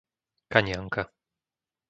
Kanianka